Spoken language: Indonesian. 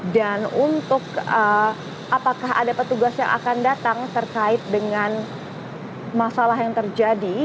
dan untuk apakah ada petugas yang akan datang terkait dengan masalah yang terjadi